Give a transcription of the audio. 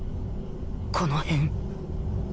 この辺